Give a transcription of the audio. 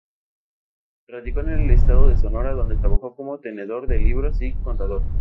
Radicó en el estado de Sonora, donde trabajó como Tenedor de libros y contador.